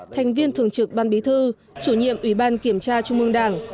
thành viên thường trực ban bí thư chủ nhiệm ủy ban kiểm tra trung mương đảng